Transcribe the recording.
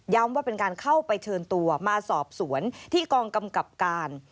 ว่าเป็นการเข้าไปเชิญตัวมาสอบสวนที่กองกำกับการ